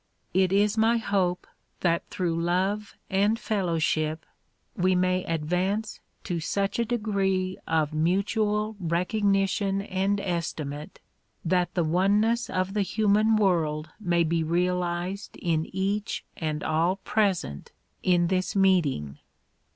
It is my hope that through love and fellowship we may advance to such a degree of mutual recognition and estimate, that the oneness of the human world may be realized in each and all present in this meeting.